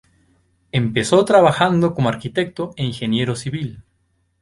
Empezó trabajando como arquitecto e ingeniero civil.